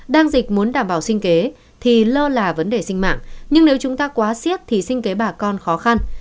đang dịch muốn đảm bảo sinh kế thì lơ là vấn đề sinh mạng nhưng nếu chúng ta quá siết thì sinh kế bà con khó khăn